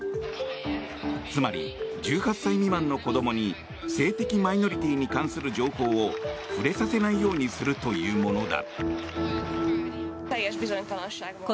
つまり、１８歳未満の子供に性的マイノリティーに関する情報を触れさせないようにするというものだ。